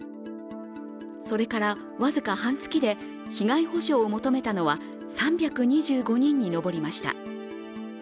それから僅か半月で、被害補償を求めたのは３２５人に上りました。